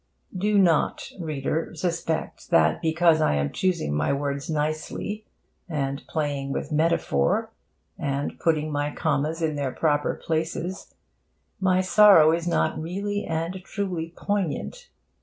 Do not, reader, suspect that because I am choosing my words nicely, and playing with metaphor, and putting my commas in their proper places, my sorrow is not really and truly poignant.